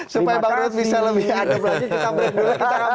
supaya pak ruhut bisa lebih agak lagi kita break dulu